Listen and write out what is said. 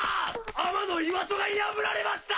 天の岩戸が破られました！